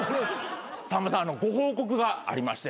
さんまさんご報告がありまして。